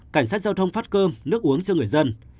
cảnh sát giao thông phát cơm nước uống cho người dân